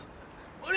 あれ？